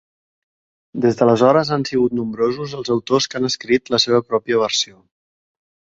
Des d'aleshores han sigut nombrosos els autors que han escrit la seva pròpia versió.